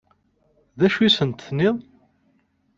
D acu i sent-tenniḍ?